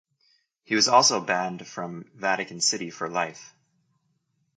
He was also banned from Vatican City for life.